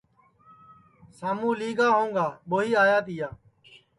شاموں لیا ہؤگا ٻوئی آیا تیا